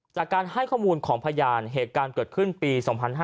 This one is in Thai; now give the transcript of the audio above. จากการให้ข้อมูลของพยานเหตุการณ์เกิดขึ้นปี๒๕๕๙